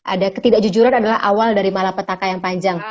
ada ketidakjujuran adalah awal dari malapetaka yang panjang